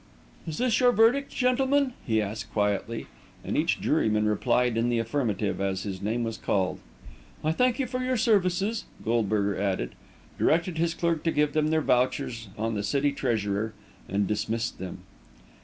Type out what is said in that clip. "Is this your verdict, gentlemen?" he asked quietly; and each juryman replied in the affirmative as his name was called. "I thank you for your services," Goldberger added, directed his clerk to give them their vouchers on the city treasurer, and dismissed them.